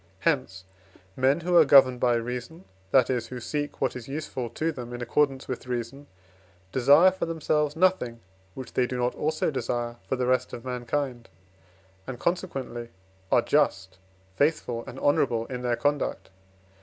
Hence, men who are governed by reason that is, who seek what is useful to them in accordance with reason, desire for themselves nothing, which they do not also desire for the rest of mankind, and, consequently, are just, faithful, and honourable in their conduct.